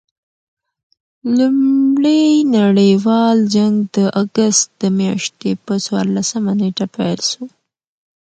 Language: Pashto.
لومړي نړۍوال جنګ د اګسټ د میاشتي پر څوارلسمه نېټه پيل سو.